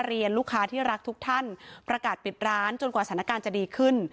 เรียนลูกค้าที่รักทุกท่านประกาศปิดร้านจนกว่าสถานการณ์จะดีขึ้น